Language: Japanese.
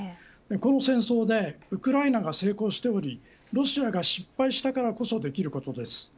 この戦争でウクライナが成功しておりロシアが失敗したからこそできることです。